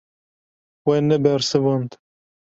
We nebersivand.